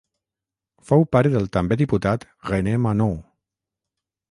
Fou pare del també diputat René Manaut.